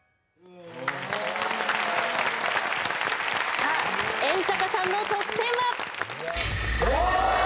さあ遠坂さんの得点は。